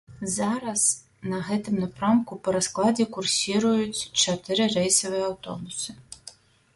Зараз на гэтым напрамку па раскладзе курсіруюць чатыры рэйсавыя аўтобусы.